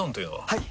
はい！